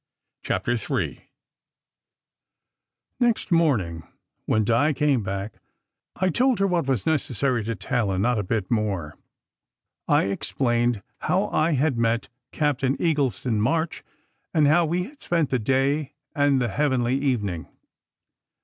CHAPTER III NEXT morning when Di came back, I told her what was necessary to tell, and not a bit more. I explained how I had met Captain Eagleston March, and how we had spent the day and the heavenly evening.